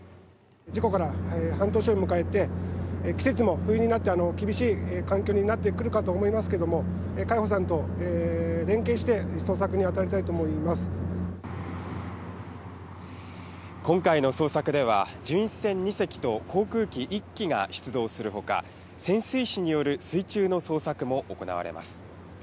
事故から半年を迎えて、季節も冬になって厳しい環境になってくるかと思いますけども、海保さんと連携して、今回の捜索では、巡視船２隻と航空機１機が出動するほか、潜水士による水中の捜索も行われます。